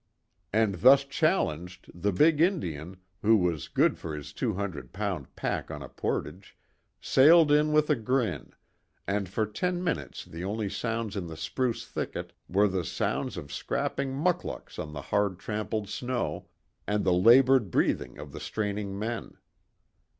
And thus challenged the big Indian, who was good for his two hundred pound pack on a portage, sailed in with a grin, and for ten minutes the only sounds in the spruce thicket were the sounds of scrapping mukluks on the hard trampled snow, and the labored breathing of the straining men.